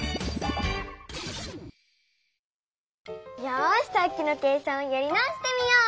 よしさっきの計算をやり直してみよう！